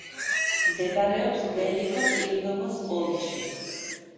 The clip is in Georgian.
მდებარეობს ველიკო-ტირნოვოს ოლქში.